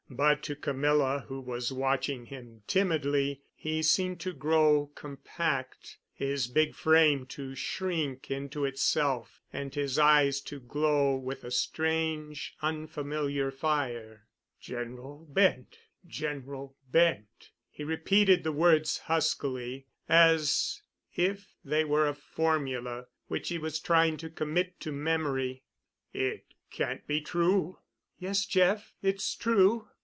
But to Camilla, who was watching him timidly, he seemed to grow compact, his big frame to shrink into itself and his eyes to glow with a strange, unfamiliar fire. "General—Bent—General—Bent," he repeated the words huskily, as if they were a formula which he was trying to commit to memory. "It can't be true?" "Yes, Jeff, it's true.